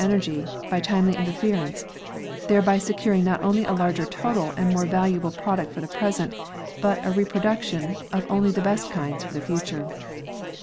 147 energy by timely interference, thereby securing not only a larger total and more valuable product for the present, but a repro duction of only the best kinds for the future.